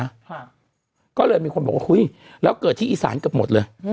ค่ะก็เลยมีคนบอกว่าอุ้ยแล้วเกิดที่อีสานเกือบหมดเลยอืม